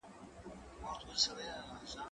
زه کولای سم واښه راوړم